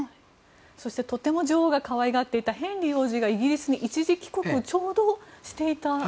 そしてとても女王が可愛がっていたヘンリー王子がイギリスに一時帰国をちょうどしていたと。